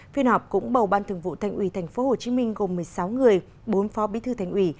phiên họp cũng bầu ban thường vụ thành ủy tp hcm gồm một mươi sáu người bốn phó bí thư thành ủy